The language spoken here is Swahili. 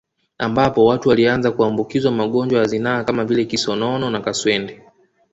Ambapo watu walianza kuambukizwa magonjwa ya zinaa kama vile kisonono na kaswende